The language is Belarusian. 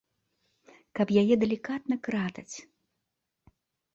Каб яе далікатна кратаць.